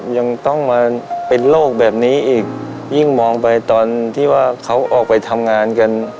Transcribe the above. ยังต้องมาเป็นโรคแบบนี้อีกยิ่งมองไปตอนที่ว่าเขาออกไปทำงานกัน